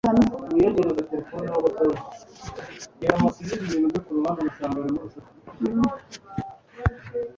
Ndashaka kumenya igihe kazitunga yazaga i Boston